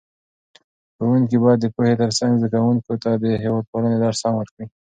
ښوونکي باید د پوهې ترڅنګ زده کوونکو ته د هېوادپالنې درس هم ورکړي.